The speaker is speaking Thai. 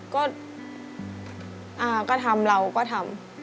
ก็อาก็ทำเราก็ทำ